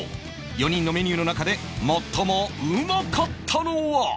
４人のメニューの中で最もうまかったのは？